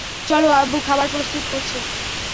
চলো, আব্বু খাবার প্রস্তুত করছে।